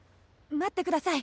待ってください。